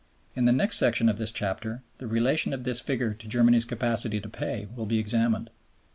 In the next section of this chapter the relation of this figure to Germany's capacity to pay will be examined.